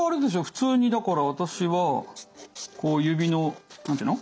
普通にだから私はこう指の何て言うの？